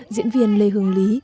diễn viên lê hương lý